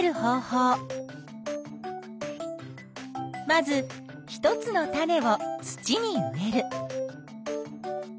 まず一つの種を土に植える。